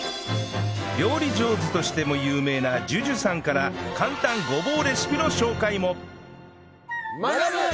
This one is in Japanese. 料理上手としても有名な ＪＵＪＵ さんから簡単ごぼうレシピの紹介も